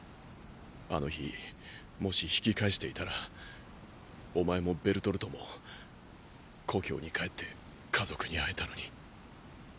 あの日もし引き返していたらお前もベルトルトも故郷に帰って家族に会えたのに。